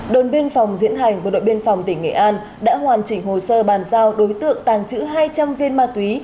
đồn biên phòng diễn hành bộ đội biên phòng tỉnh nghệ an đã hoàn chỉnh hồ sơ bàn giao đối tượng tàng trữ hai trăm linh viên ma túy